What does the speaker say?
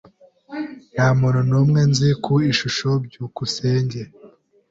Nta muntu n'umwe nzi ku ishusho. byukusenge